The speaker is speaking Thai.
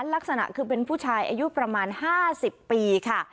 ลักษณะคือเป็นผู้ชายอายุประมาณ๕๐ปีค่ะ